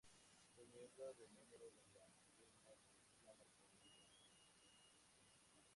Fue miembro de número de la Academia Colombiana de la Lengua.